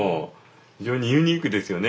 非常にユニークですよね